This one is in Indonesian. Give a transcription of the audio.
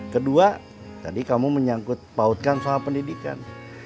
kedua tadi kamu menyangkut pautkan soal pendidikan